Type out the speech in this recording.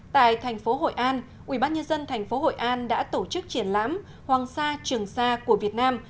tại thành phố hội an ubnd tp hội an đã tổ chức triển lãm hoàng sa trường sa của việt nam